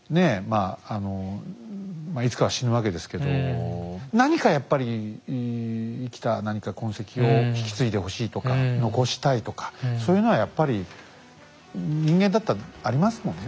あいつかは死ぬわけですけど何かやっぱり生きた何か痕跡を引き継いでほしいとか残したいとかそういうのはやっぱり人間だったらありますもんね。